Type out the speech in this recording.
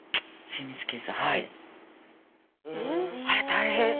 あら大変。